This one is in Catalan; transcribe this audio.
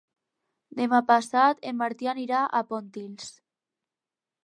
Demà passat en Martí anirà a Pontils.